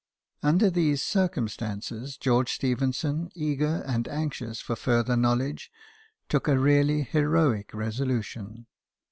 Under these circumstances, George Stephen son, eager and anxious for further knowledge, took a really heroic resolution.